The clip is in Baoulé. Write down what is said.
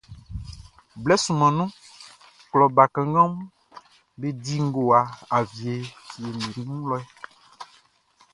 Blɛ sunman nunʼn, klɔ bakannganʼm be di ngowa awie fieʼm be wun lɛ.